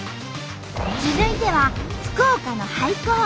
続いては福岡の廃校。